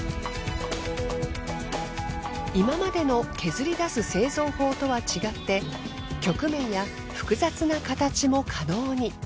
今までの削り出す製造法とは違って曲面や複雑な形も可能に。